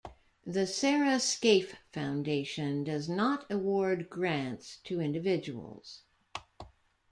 The Sarah Scaife Foundation does not award grants to individuals.